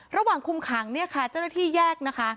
ระหว่างคุมขังเนี่ยค่ะเจ้าหน้าที่แยกนะคะ